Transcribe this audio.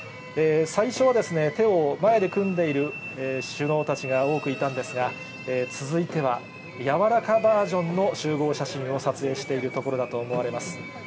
最初は手を前で組んでいる首脳たちが多くいたんですが、続いてはやわらかバージョンの集合写真を撮影しているところだと思われます。